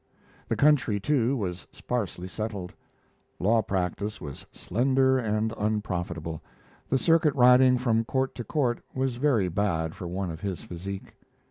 The country, too, was sparsely settled; law practice was slender and unprofitable, the circuit riding from court to court was very bad for one of his physique.